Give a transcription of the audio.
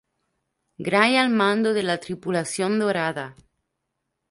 Gray al mando de la tripulación dorada.